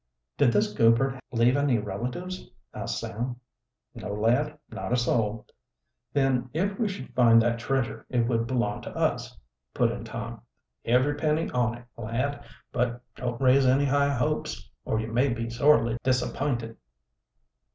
"Did this Goupert leave any relatives?" asked Sam. "No, lad, not a soul." "Then if we should find that treasure it would belong to us," put in Tom. "Every penny on it, lad. But don't raise any high hopes, or you may be sorely disapp'inted."